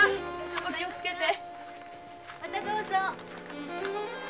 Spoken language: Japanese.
お気をつけて。